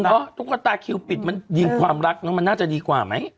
ลูกกระตาคิ้วปิดมันอย่างความรักมันน่าจะดีกว่าไหม